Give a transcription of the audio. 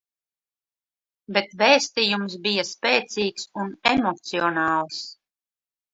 Bet vēstījums bija spēcīgs un emocionāls.